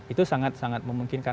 itu sangat memungkinkan